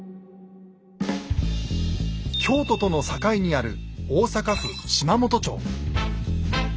京都との境にある大阪府島本町。